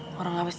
tolongin ibu ya